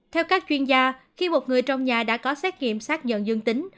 theo các chuyên gia khi một người trong nhà đã có xét nghiệm xác nhận dương tính